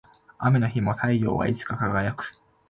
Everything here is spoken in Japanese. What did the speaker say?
雨の日も太陽はいつか輝く